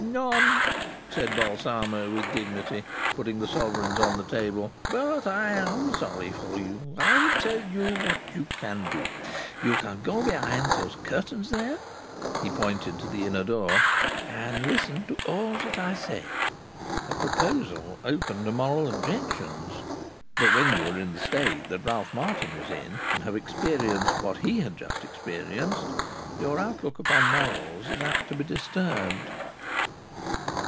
"None!" said Balsamo, with dignity, putting the sovereigns on the table. "But I am sorry for you. I will tell you what you can do. You can go behind those curtains there" he pointed to the inner door "and listen to all that I say." A proposal open to moral objections! But when you are in the state that Ralph Martin was in, and have experienced what he had just experienced, your out look upon morals is apt to be disturbed.